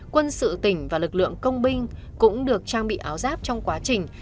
quân sự tỉnh và lực lượng công binh cũng được trang bị áo giáp trong quá trình